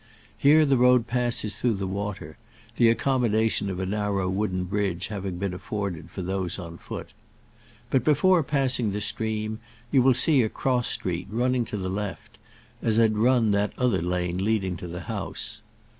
Here the road passes through the water, the accommodation of a narrow wooden bridge having been afforded for those on foot. But before passing the stream, you will see a cross street, running to the left, as had run that other lane leading to the house.